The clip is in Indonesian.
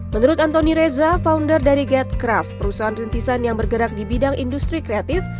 menurut antoni reza founder dari getcraft perusahaan rintisan yang bergerak di bidang industri kreatif